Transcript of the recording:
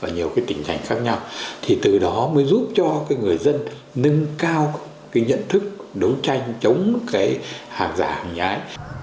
nhiều cái tình hình khác nhau thì từ đó mới giúp cho cái người dân nâng cao cái nhận thức đấu tranh chống cái hàng giả hàng giả ấy